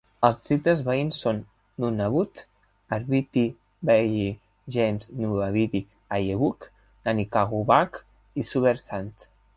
Els districtes veïns són Nunavut, Abitibi-Baie-James-Nunavik-Eeyou, Manicouagan i Humber-St.